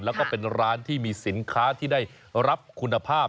แล้วก็เป็นร้านที่มีสินค้าที่ได้รับคุณภาพ